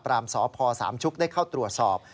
สพสามชุกได้เข้าตรวจสอบ